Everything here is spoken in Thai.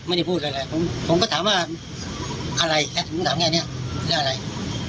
ไม่ได้พูดอะไรผมผมก็ถามว่าอะไรแค่ผมถามแค่เนี้ยเรียกอะไร